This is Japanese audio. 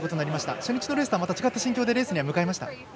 初日のレースとは違った心境でレースには迎えました？